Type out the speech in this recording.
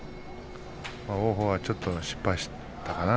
王鵬はちょっと失敗したかな。